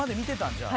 じゃあ」